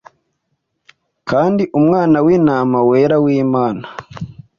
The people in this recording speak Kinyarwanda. Kandi Umwana wintama wera wImana